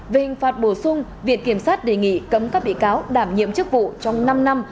về hình phạt bổ sung viện kiểm sát đề nghị cấm các bị cáo đảm nhiệm chức vụ trong năm năm